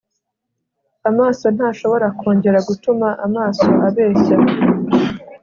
Amaso ntashobora kongera gutuma amaso abeshya